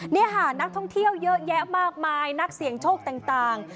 นี่ค่ะนักท่องเที่ยวเยอะแยะมากมายนักเสี่ยงโชคต่าง